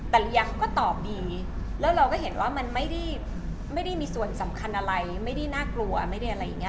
แต่เรียงก็ตอบดีแล้วเราก็เห็นว่ามันไม่ได้มีส่วนสำคัญอะไรไม่ได้น่ากลัวไม่ได้อะไรอย่างนี้